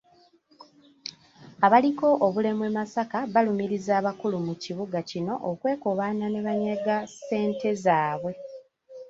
Abaliko obulemu e Masaka balumirizza abakulu mu kibuga kino okwekobaana ne banyaga ssente zaabwe